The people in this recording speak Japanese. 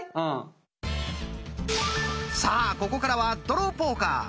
さあここからは「ドローポーカー」本番です！